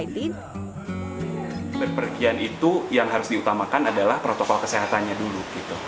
berpergian itu yang harus diutamakan adalah protokol kesehatannya dulu